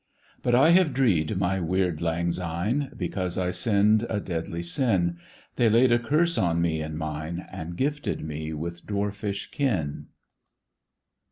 But I have dreed my weird lang syne. Because I sinned a deadly sin. They laid a curse on me and mine. And gifted me with dwarfish kin.